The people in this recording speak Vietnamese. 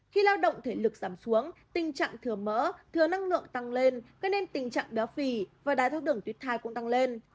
khi lao động thể lực giảm xuống tình trạng thừa mỡ thừa năng lượng tăng lên gây nên tình trạng béo phì và đai thác đường tuyết thai cũng tăng lên